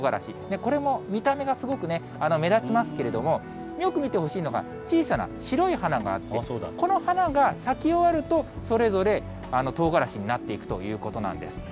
これも見た目がすごく目立ちますけれども、よく見てほしいのが、小さな白い花があって、この花が咲き終わると、それぞれ、とうがらしになっていくということなんです。